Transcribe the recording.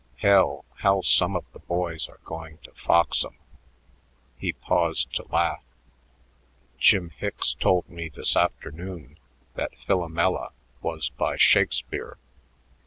Hell! how some of the boys are going to fox 'em." He paused to laugh. "Jim Hicks told me this afternoon that 'Philomela' was by Shakspere."